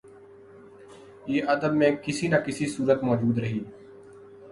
یہ ادب میں کسی نہ کسی صورت موجود رہی